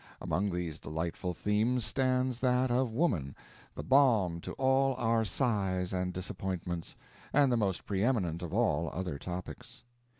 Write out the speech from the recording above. Among these delightful themes stands that of woman, the balm to all our sighs and disappointments, and the most pre eminent of all other topics.